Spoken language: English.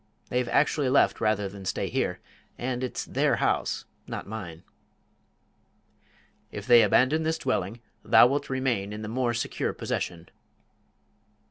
They've actually left rather than stay here. And it's their house not mine." "If they abandon this dwelling, thou wilt remain in the more secure possession."